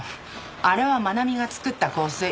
あれは真奈美が作った香水。